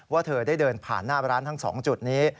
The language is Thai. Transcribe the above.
เธอได้เดินผ่านหน้าร้านทั้ง๒จุดนี้